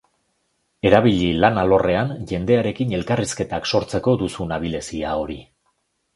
Erabili lan alorrean jendearekin elkarrizketak sortzeko duzun abilezia hori.